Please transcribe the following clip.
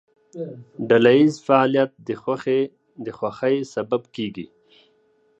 ډلهییز فعالیت د خوښۍ سبب کېږي.